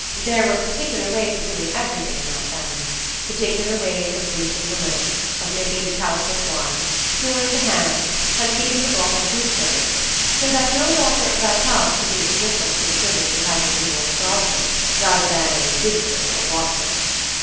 There were particular ways of doing everything in that family: particular ways of bleaching the linen, of making the cowslip wine, curing the hams, and keeping the bottled gooseberries; so that no daughter of that house could be indifferent to the privilege of having been born a Dodson, rather than a Gibson or a Watson.